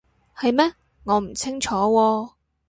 係咩？我唔清楚喎